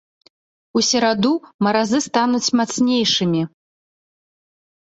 У сераду маразы стануць мацнейшымі.